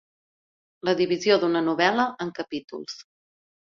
La divisió d'una novel·la en capítols.